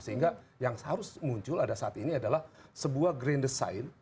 sehingga yang harus muncul ada saat ini adalah sebuah grain of the side